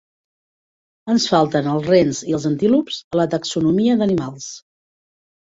Ens falten els rens i els antílops a la taxonomia d'animals.